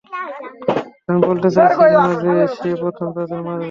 আমি বলতে চাইছি না যে, সে প্রথমে তাদের মারবে।